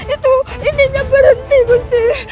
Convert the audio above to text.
itu intinya berhenti gusti